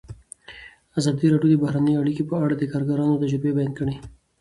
ازادي راډیو د بهرنۍ اړیکې په اړه د کارګرانو تجربې بیان کړي.